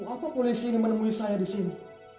lalu apa polisi ini menemui saya disini